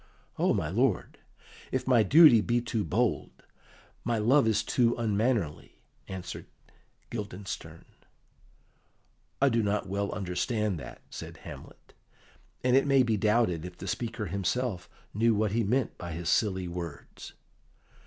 "O my lord, if my duty be too bold, my love is too unmannerly," answered Guildenstern. "I do not well understand that," said Hamlet; and it may be doubted if the speaker himself knew what he meant by his silly words.